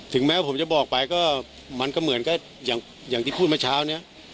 แม้ว่าผมจะบอกไปก็มันก็เหมือนก็อย่างที่พูดเมื่อเช้านี้